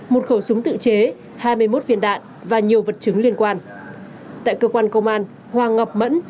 một khẩu súng tự chế hai mươi một viên đạn và nhiều vật chứng liên quan tại cơ quan công an hoàng ngọc mẫn